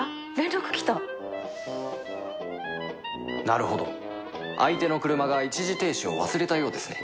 なるほど相手の車が一時停止を忘れたようですね